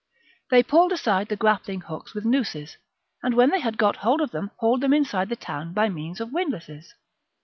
They pulled aside the grappling hooks '^ with nooses, and when they had got hold of them hauled them inside the town by means of wind lasses.